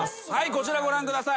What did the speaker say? こちらご覧ください。